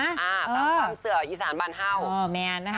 ตั้งความเสื่ออีสานบรรเภา